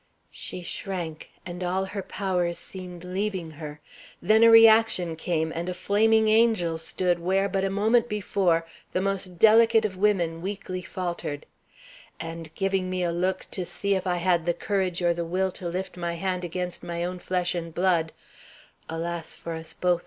She shrank, and all her powers seemed leaving her, then a reaction came, and a flaming angel stood where but a moment before the most delicate of women weakly faltered; and giving me a look to see if I had the courage or the will to lift my hand against my own flesh and blood (alas for us both!